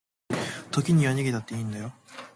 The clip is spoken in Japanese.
時には逃げたっていいんだよ